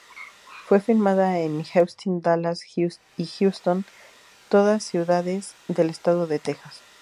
Fue filmada en Austin, Dallas y Houston, todas ciudades del estado de Texas.